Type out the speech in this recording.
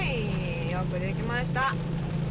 よくできました。